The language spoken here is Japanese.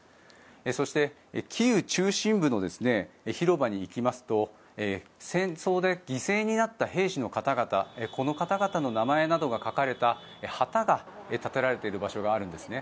そしてキーウ中心部の広場に行きますと戦争で犠牲になった兵士の方々この方々の名前などが書かれた旗が立てられている場所があるんです。